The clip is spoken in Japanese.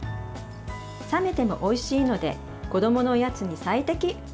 冷めてもおいしいので子どものおやつに最適。